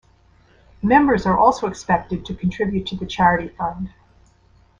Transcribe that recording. Members are also expected to contribute to the Charity Fund.